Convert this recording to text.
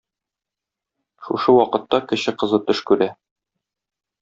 Шушы вакытта кече кызы төш күрә.